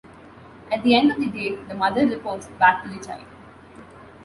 At the end of the date the mother reports back to the child.